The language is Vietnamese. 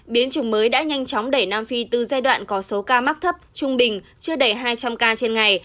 biến chủng mới đã nhanh chóng đẩy nam phi từ giai đoạn có số ca mắc thấp trung bình chưa đầy hai trăm linh ca trên ngày